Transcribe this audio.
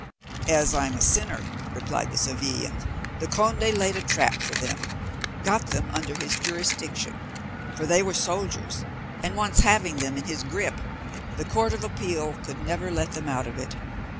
"As I'm a sinner," replied the Sevillian, "the conde laid a trap for them, got them under his jurisdiction—for they were soldiers, and once having them in his gripe, the court of appeal could never get them out of it.